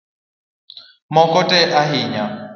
Moko tek ahinya